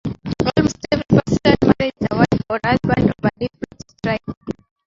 Almost every person marries a wife or husband of a different tribe.